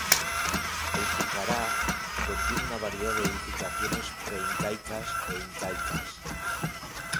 El pucará contiene una variedad de edificaciones preincaicas e incaicas.